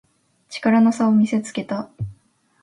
力の差を見せつけた